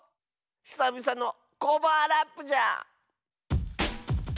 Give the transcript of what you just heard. ひさびさのコバアラップじゃ！